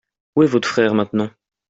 Où est votre frère maintenant ?